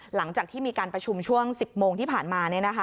หลังจากที่มีการประชุมช่วง๑๐โมงที่ผ่านมา